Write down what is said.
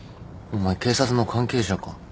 お前警察の関係者か？